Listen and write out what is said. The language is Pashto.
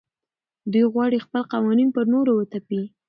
دوی غواړي خپل قوانین پر نورو وتپي.